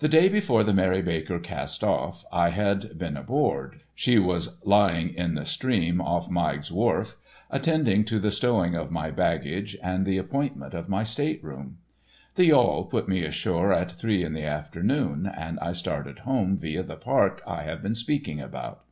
The day before the "Mary Baker" cast off I had been aboard (she was lying in the stream off Meigg's wharf) attending to the stowing of my baggage and the appointment of my stateroom. The yawl put me ashore at three in the afternoon, and I started home via the park I have been speaking about.